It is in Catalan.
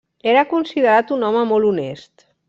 Era considerat un home molt honest.